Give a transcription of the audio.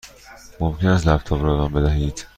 ممکن است لپ تاپ را به من بدهید؟